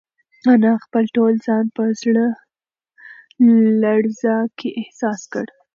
انا خپل ټول ځان په لړزه کې احساس کړ.